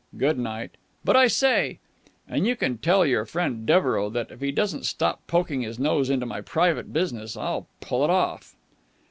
"Good night." "But, I say...." "And you can tell your friend Devereux that, if he doesn't stop poking his nose into my private business, I'll pull it off."